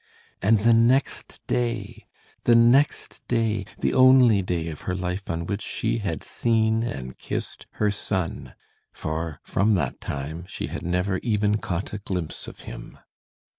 And the next day! the next day! the only day of her life on which she had seen and kissed her son; for, from that time, she had never even caught a glimpse of him.